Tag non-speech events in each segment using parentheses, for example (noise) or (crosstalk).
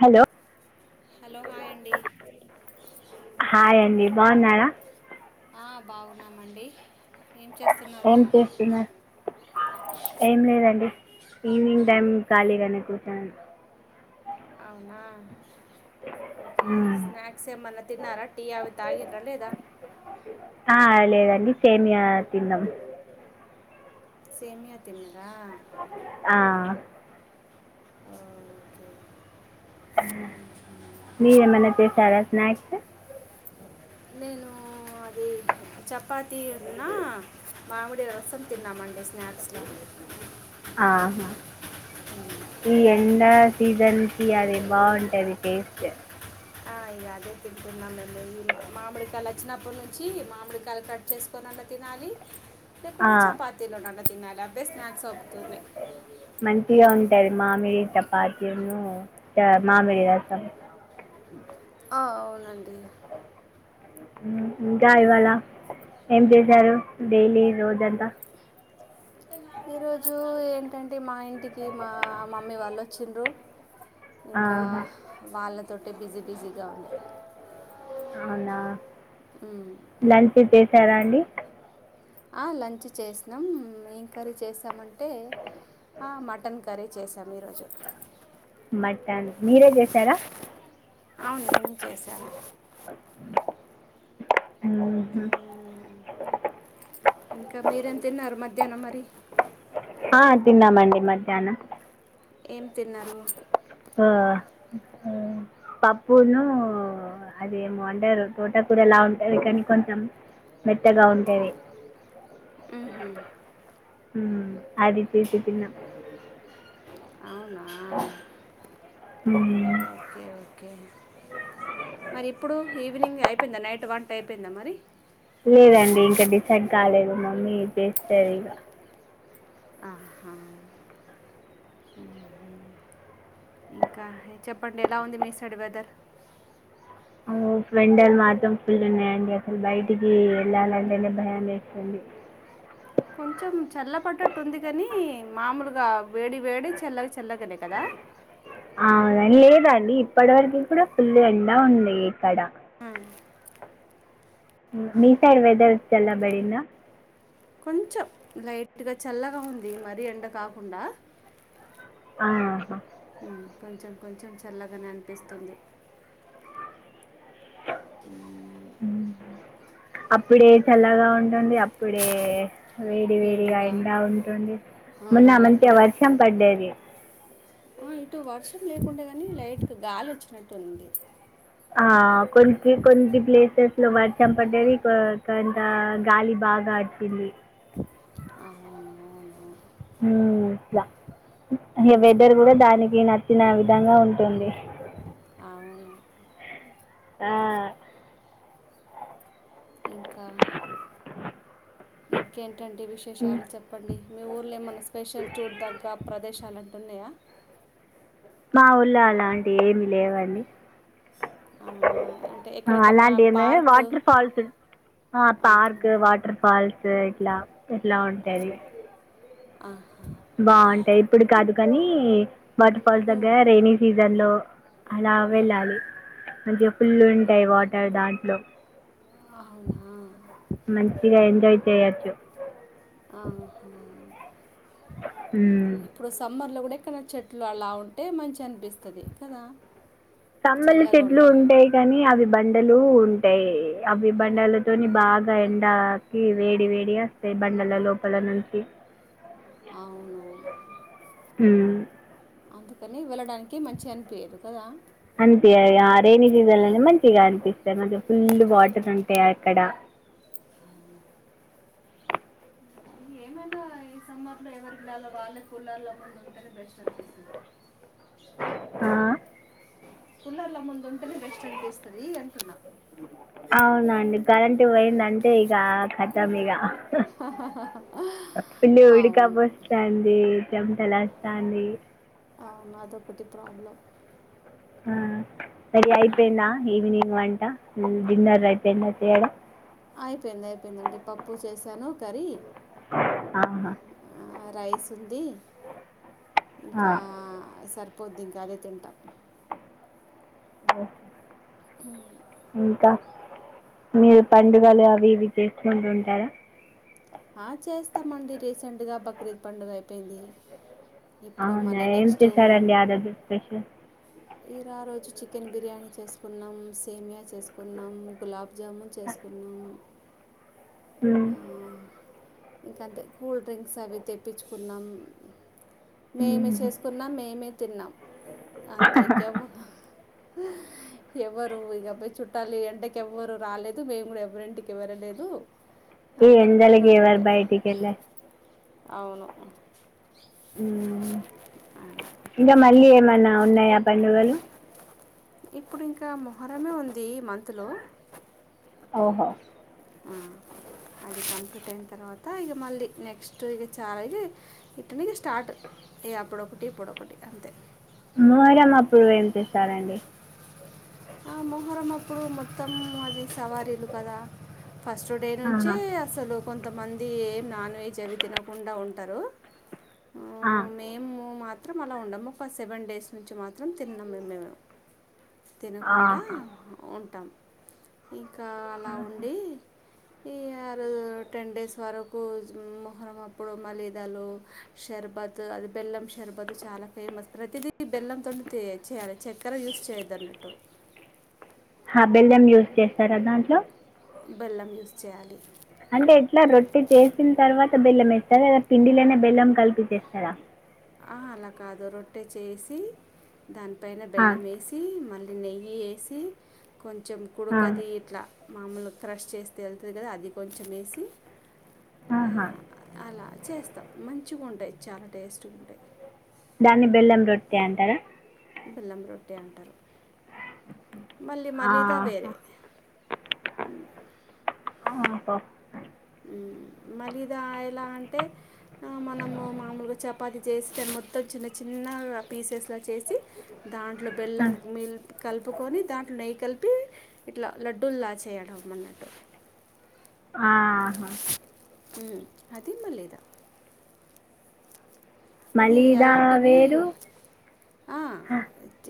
Hello hello hi అండి hi అండి. బాన్నార? ఆ బాగున్నామండి. ఏం చేస్తున్నారు? ఏం చేస్తున్నారు ఏం లేదండి. ఈవినింగ్ టైమ్ ఖాళీగానే కూర్చోను. అవునా! ఓకె. మ్మ్. స్నాక్స్ ఏమన్న తిన్నార టీ అవి తాగిండ్ర లేదా? ఆ లేదండి. సేమియా తిన్నాం. సేమియా తిన్న ఆ ఓకే మీరేమన్నా చేసారా స్నాక్స్? నేను అది చపాతి ఉన్నా, మామిడి రసం తిన్నామండి. స్నాక్స్లో ఆహా ఈ ఎండ సీజన్కి అది బావుంటది టేస్ట్ ఆ ఇగ అదే తింటున్నాం మేము ఈ మామిడికాయలు వచ్చినప్పటినుంచి, మామిడికాయలు కట్ చేసుకొన న తినాలి. ఆ, లేకుంటే, చపాతిలోనన్న తినాలి. అవే స్నాక్ మంచిగ ఉంటది. మామిడి చపాతీను ద మామిడి రసం. ఆ అవునండి. ఇంక ఇవాళ ఏం చేసారు డైలీ రోజంతా. ఈరోజు ఏంటంటే మా ఇంటికి మా మమ్మీ వాళ్ళు. వచ్చిండ్రు ఇంకా ఆహా. వాళ్ళతోటె బిజీ బిజీ. అవునా మ్. లంచ్ ఇట్లా చేసారా అండి. ఆ లంచ్ చేసినం ఏం కర్రీ చేశామంటే. ఆ మటన్ కర్రీ చేసాము ఈరోజు మధ్యాహ్నం మీరే చేశారా అవును నేను చేశాను. ఉమ్ హ్మ్. మ్, ఇంకా మీరేం తిన్నారు మధ్యాహ్నం మరి. ఆ తిన్నామండి మధ్యాహ్నం. ఏం తిన్నారు. ఆ పప్పును. అదేమో అంటారు తోటా కూరలా ఉంటంది కానీ కొంచెం. మెత్తగా ఉంటది. మ్హూ. అదితిసి తిన్నం. అవునా మ్మ్. Okay okay. మరి ఇప్పుడు ఈవినింగ్ అయిపోయిందా నైట్ వంట అయిపోయిందా మరి. లేదండి ఇంకా డిసైడ్ కాలేదు మమ్మీ చేస్తాది ఇక. ఆహా. ఇంకా చెప్పండి ఎలా ఉంది మీసడ్ వెదర్. అవును ఎండలు మాత్రం ఫుల్లు ఉన్నాయండి అసలు బయటికి వెళ్ళాలంటేనే భయా వెస్తుంది. కొంచెం చల్ల పడ్డట్టు ఉంది కానీ మామూలుగా వేడి వేడి చల్లగా చల్లగానే కదా. అవున లేదాది ఇప్పటి వరకు కూడా ఫుల్ ఎండా ఉంది ఇక్కడ. ఆ. హుమ్ మీసైడ్ వెదర్ చల్ల పడిందా. కొంచెం లైట్గా చల్లగా ఉంది మరీ ఎండ కాకుండా. ఆహా అ కొంచెం కొంచెం చల్లగానే అనిపిస్తుంది. హుమ్. అప్పుడే చల్లగా ఉంటుంది అప్పుడే వేడి వేడిగా ఎండా ఉంటుంది. ఆ, మొన్న మరి మంచిగా అప్పుడే వర్షం పడ్డది. ఆ ఇటు వర్షం లేకుండె కనీ లైట్ గా గాలి వచ్చినట్టు ఉంది. ఆ కొది కొన్ని ప్లేసెస్ లో వర్షం పడ్డది కొ. కంత గాలి బాగా అచ్చింది. అవునును. హ్మ్ ఇగ వెదర్ ఉమ్, కూడా దానికి నచ్. తిన విధంగా ఉంటుంది. అవును. ఆ. ఇంకా ఇంకేంటండి విశేషాలు చెప్పండి. మీ ఊర్లో ఏమైనా స్పెషల్ చూడదగ్గ ప్రదేశాలు అటున్నాయా. మా ఊళ్ళన అండి ఏమీ లేవండి. అవునా అంటే ఎక్కడెక్కడన్నా అలాంటి ఏం లేవు పార్క్ వాటర్ ఫాల్స్. ఆ ఆహా, పార్క్ వాటర్ ఫాల్స్ ఇట్లా ఇట్లా ఆ, ఉంటాది. ఆహా. బాగుంటాయి ఇప్పుడు కాదు కానీ వాటర్ ఫాల్స్ హూ, దగ్గర రేణి సీజన్లో. అలా ఉమ్, వెళ్ళాలి మంచిగ ఫుల్ ఉంటాయి. వాటర్ దాంట్లో అవునా మంచిగా ఎంజాయ్ చేయచ్చు. ఆహా ఇప్పుడు సమ్మర్లో కూడా అడెక్కన చెట్లు అలా ఉంటే మంచిగ అనిపిస్తది కదా. కమ్మలి చల్లగా చెట్లు ఉండ ఉంటాయి కానీ అవి బం బండలు ఉంటయ్ అవి బండలతోని బాగా ఎండాకి వేడి వేడి వస్తాయి బన్ నండల లోపల నుంచి అవును హుమ్మ్ అందుకని వెళ్ళడానికి మంచిగ అనిపీయదు కదా. అనిపియదు ఇగ రెైనీ సీజన్ లోనే మంచిగ అనిపిస్తాయి. మంచి ఫుల్ వాటర్ ఉంటాయ అక్కడ ఏమైనా ఈ సమ్మర్లో ఎవరి గలాలో వాళ్ళే కులార్ల ముందు ఉంటేనే బెస్ట్ అనిపిస్తుంది. ఆ కుల్లర్ల ముందు ఉంటేనే బెస్ట్ అనిపిస్తదీ అంటున్నా అవున అండి కరెంటి పోయిందంటే ఇగ కతం ఇగ హా హా పిండి ఉడికాబ వస్తాంది. చెమటలా వస్తాంది. అవును అదొకటి ప్రాబ్లం ఆ రెడీ మ్మ్. అయిపోయిందా ఈవినింగ్ వంట డిన్నర్ అయిపోయిందా ఉ చేఎడా అయిపోయింది అయిపోయిందండి పప్పు సేశాను కర్రీ ఆహ ఆ, రైస్ ఉంది ఆ, ఇంకా సర్ప్ పొద్దు ఇంకా అదే తింటాం. ఓ అవును ఇంకా మీరు పండుగలు అవి ఇవి చేసుకుంటు ఉంటారా. ఆ చేస్తామండి. రీసెంట్గా బక్రీద్ పండుగ అయిపోయింది. ఇప్పుడు అవునా మళ్ళీ ఏం నెక్స్ట్ చేశారండి ఆ దగ్గర స్పెషల్ ఈ రారోజు చికెన్ బిర్యానీ చేసుకున్నాం. సేమియా చేసుకున్నాం. గులాబ్ జామ చేసుకున్నాము. ఉ ఇంకాంటే కూల్ డ్రింక్స్ అవి తెప్పించుకున్నాం. మేమే సేసుకున్నాం. మేమే తిన్నాం. అంతే ఇంకవ అ ఎవరు ఇక అబ్బాయి చుట్టాలి ఎంటకి ఎవ్వరు రాలేదు. మేము కూడా ఎవ్వరింటికి వెళ్ళలేదు. ఈ అందరం ఎండలకి ఇంట్లోనే ఎవరు ఉండే బయటికిల్ అవును ఉ అలా. ఇంకా మళ్ళీ ఏమైనా ఉన్నయా పండుగలు ఇప్పుడు ఇంక మొహరమే ఉంది మంత్లో ఓహో ఉ అది కంప్లీట్ అయిన తర్వాత ఇగ మళ్ళీ నెక్స్ట్ ఇగ చాలా ఇటుని స్టార్ట్ ఏ అప్పుడు ఒకటి ఇప్పుడు ఒకటి అంతే మొహరం అప్పుడు ఏం చేస్తారండీ ఆ మొహరం అప్పుడు మొత్తం అది సవారీలు కదా ఫస్ట్ డే నుంచే ఆహా అస్సలు కొంతమంది ఏం నాన్ వెజ్ అవి తినకుండా ఉంటారు ఆ మేము మాత్రం అలా ఉండము ఒక సెవెన్ డేస్ నుంచి మాత్రం తిన్నాము మే మేము తినకుండా ఆహా ఉంటాం ఇంకా అలా ఆహా. ఉండి ఈ టెన్ డేస్ వరకు మొహరం అప్పుడు మలీదలో షర్బత్ అది బెల్లం షర్బతు చాలా ఫేమస్ ప్రతిదీ బెల్లంతోచేయాలి చక్కెర ఉస్ చేదిన్నట్టు హ బెల్లెం యూస్ చేస్తారా దాంట్లో బెల్లం యూస్ చేయాలి అంటే ఎట్లా రొట్టటి చేసిన తర్వాత బెల్లంవేస్తారా పిండిలోనే బెల్లం కలిపేసిచేస్తారా ఆ అలా కాదు రొట్టె చేసి దానిపైన ఆ, బెల్లం వేసి మళ్ళీ అది నెయ్యి వేసి కొంచెం ఆ, కుడుకుది ఇట్లా మామూలుగా క్రష్ చేస్తే వెళ్తుంది కదా అది కొంచెం వేసి ఆహా. అలా చేస్తాం మంచిగా ఉంటాయి చాలా టేస్ట్గా ఉంట దాన్ని బెల్లంరొట్టి అంటారా బెల్లం రొట్టే అంటారు మళ్ళీ మలీదా ఆహా. వేరే ఉ బో అ మలీదా ఎలా అంటే మనము మామూలుగా చపాతి చేస్తే మొత్తం చిన్న చిన్న ఆ పిఎచెస్ల చేసి దాంట్లో ఆ, బెల్లం మిల్ కలుపుకొని దాంట్లో నెయ్యి కలిపి ఇట్లా లడ్డూలులా చేయడం అన్నట్టు ఆహా ఉ అది మలీదా అది మలీదా అలాంటివి వేరు ఆ హ,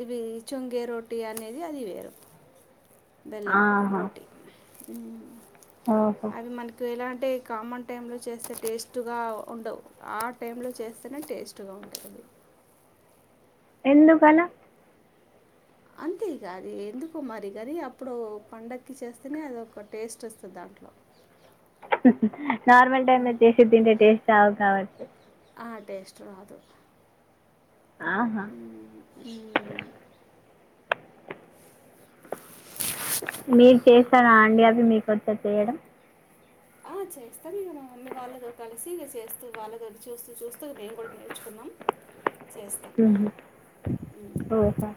ఇవి చుంగేరోట్టి అనేది అది వేరు ఆహా బెల్లంరోట్టి ఓహో అవి మనకి ఎలాంటి అంటే కామన్ టై లో చేస్తే టేస్ట్గా ఉండవు ఆ టైమ్ లో చేస్తే నే టేస్ట్గా ఉంటుంది ఎందుకల అవు అంతే ఇక అది ఎందుకు మరి కానీ అప్పుడు పండక్కి చేస్తేనే అది ఒక టేస్ట్ వస్తుంది దాంట్లో నార్మల్ టైమ్ ఉమ్, చేసి తింటే టేస్ట్ రాదు కాబట్టి ఆ టేస్ట్ రాదు ఆహా మ్మ్ మ్మ్ మీరు చేస్తార అలా అండి అవి మీకు వచ్చా చెయడం ఆ, అ చేస్తాం ఇక మా మమ్మీ వాళ్ళ కలిసి ఇక చేస్తూ వాళ్ళ చూస్తూ చూస్తూ మేము కూడా నేర్చుకున్నాం చేస్తాం ఉహు ఉమ్. ఓహో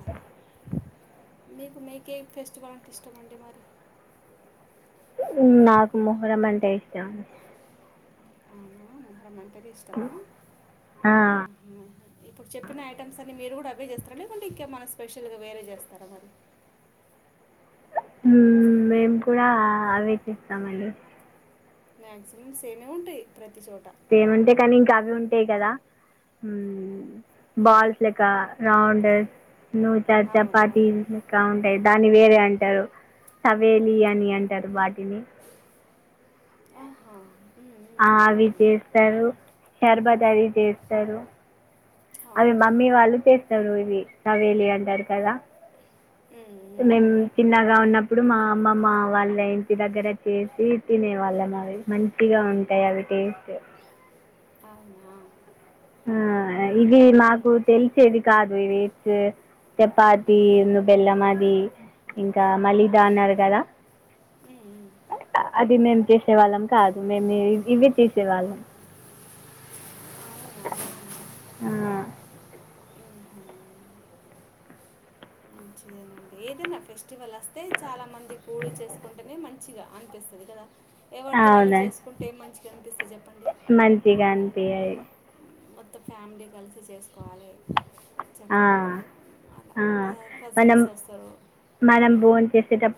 అలా మీకు మేక్ ఫెస్టివల్ అంటే ఇష్టమ అండి మరి ఉహ్ నాకు మొహరం అంటే ఇష్టం. అవునా మొహరం అంటేనే ఇష్టమా ఆ! ఉహు ఇప్పుడు చెప్పిన ఐటమ్స్ అన్ని మీరు గూడా అవే జేస్తారా లేకుంటే ఇంకా మన స్పెషల్గా వేరే జేస్తారా మరి మేము కూడా ఆలోచిస్తా అండి మాక్సిమం సేమే ఉంటై ప్రతి చోట సేమ్ ఉంటాయి కానీ ఇంకా అవి ఉ టే గదా ఉమ్ బాల్స్ లేక రౌండెడ్ నుూ చార్ అవునవును చప్పతీస్ ఇంకా ఉంటాయ్ డా (unintelligible) అంటారు సవేలి అని అంటారు వాటిని ఆహా ఉమ్, ఉమ్, ఆ అవి అవునవును చేస్తారు హషర్బద్ అవి చేస్తారు అవి అవును మమ్మీ వాళ్ళు చేస్తారు ఇది నవేలి అంటారు కదా ఉమ్, మేం ఉమ్. చిన్నగా ఉన్న ఇప్పుడు మా అమ్మమ్మ వాళ్ళ ఇంటి దగ్గర చేసి తినేవాళ్ళం అవి మంచిగా ఉంటాయి అవి ఇన్ట్. అవునా ఆ ఉమ్, ఇది ఉమ్. నాకు తెలిసేది కాదు ఇది చపాతి ఉమ్, ను బెల్లం అది ఇంకా మలిదా అన్నారు కదా. ఉమ్, ఉమ్. అ అది నేను చేసే వాళ్ళం కాదు మేము ఇవి చేసేవాళ్ళం ఆ ఉహ మంచిదేనండి ఏదైనా ఫెస్టివల్ వస్తే చాలామంది కూడు చేసుకుంటేనే మంచిగ అనిపిస్తది కదా ఎవరిది వాళ్ళు అవునండి చేసుకుంటే మంచిగా అనిపిస్తుం మంచిగా అనిపియ్యలేద్ మొత్తం ఫ్యామిలీ కలిసి చేసుకోవాలి ఆ చక్కగా అలా ఆ మనం కజిన్స్ వస్తరు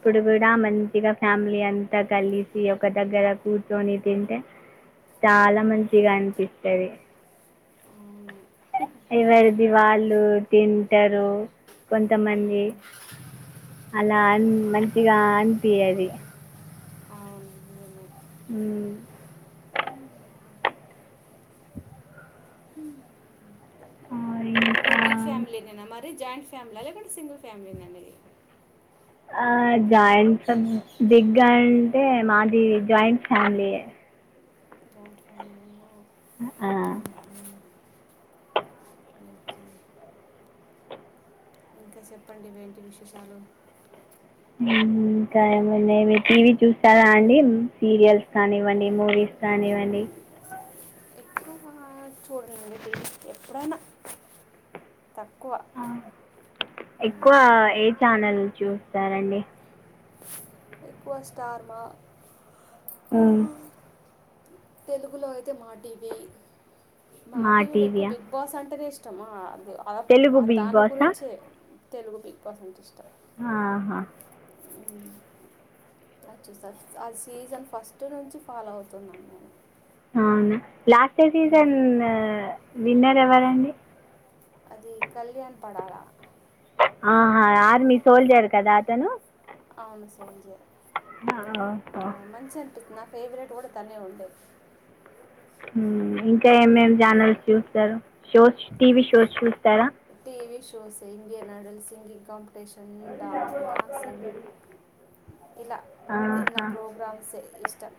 ఇప్పుడు కూడా మంచిగా ఫ్యామిలీ అంతా కలిసి ఒక దగ్గర కూర్చొని తింటే మ్, చాలా మంచిగ అనిపిస్తది అవును ఎవరిది వాళ్ళు తింటరు కొంతమంది మ్, అలా అని మంచిగా అనిపి యదు ఇది అవున్ మ్మ్ ఆ, అ మీరు ఇంకా బిగ్ ఫ్యామిలీ నేనా మరి జాయింట్ ఫ్యామిలీ లేకుంటే సింగిల్ ఫ్యామిలీనా మీది ఆ జాయన్తము దిగ్ గంటే మాది జాయింట్ ఫ్యామిలీ జాయింట్ ఫ్యామిలీనే ఆ ఓకే ఇంకా చెప్పండి ఇవేంటి విశేషాలు. ఇంకా ఏమన్నా టీవీ చూసారా అండి సీరియల్స్ కానివ్వండి మూవీస్ కానివ్వండి ఎక్కువగా చూడాలండి ఎప్పుడైనా తక్కువ ఉమ్, ఎక్కువ ఏ ఛానల్ చూస్తారండి. ఎక్కువ స్టార్ మా ఆ, మ్ తెలుగులో అయితే మా టీవీ మా టీవీలో ఎక్కువ బిగ్ బాస్ అంటెనె ఇష్ ఇష్టమా ఆ తెలుగు అ బిగ్ దాని బాసా గురించే తెలుగు బిగ్ బాస్ అంటే ఇష్టం ఆహా అచ్చు సస్ ఆ సీజన్ ఫస్ట్ నుంచి ఫాలో అవుతున్నా నేను అవునా లాస్ట్ ఉమ్. సీజన్ విన్నర్ ఎవరండి అది కళ్యాణ్ పడాలా ఆహా ఆర్మి సోల్జర్ కదా అతను అవును సోల్జర్ ఆ ఓ హో నా మంచి నా ఫేవరెట్ కూడా తనే ఉండే ఇంకా ఏమేం ఛానల్స్ చూస్తారు షోస్ టీవీ షోస్ చూస్తరా TV shows Indian Idol singing competition dancing ఇలా ఇలా ఆహా ప్రోగ్రామ్సే ఇష్టం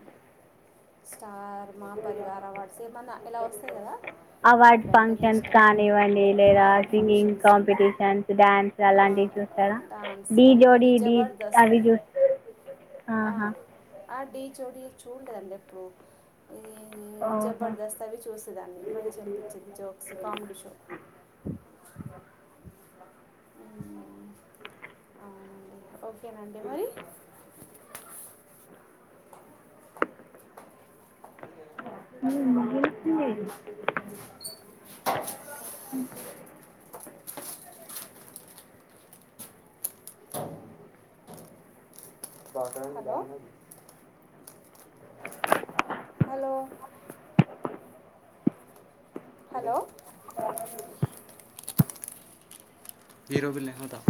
స్టార్ మా పో పరివార్ అవార్డ్స్ ఏమన్నా ఇలా స వస్తాయి స కదా అవి అవార్డ్ వెంటనే ఫంక్షన్స్ ఇష్టం కానివండి లేదా award singing functions competitions dance అలాంటి చూస్తార డాన్స్ ఢీ ముందు జోడి డీ జబర్దస్త్ అది చూస్త ఆ, ఆహా ఆ డీ జోడీ చూడ్లేదండి ఎప్పుడు ఇది ఓహో జబర్దస్త్ అవి చూసేదాన్ని మంచి అనిపించేది జోక్స్ కామెడీ షో మ్ అవునండి ఓకేనండి మరి మ్ (unintelligible) మ్ హలో హలో హలో హీరో (unintelligible) అదా